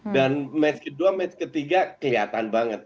dan match kedua match ketiga kelihatan banget